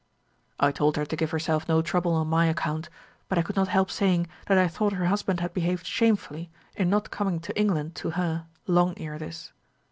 "I told her to give herself no trouble on my account; but I could not help saying, that I thought her husband had behaved shamefully in not coming to England to her long ere this.